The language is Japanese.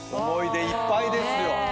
思い出いっぱいですよ。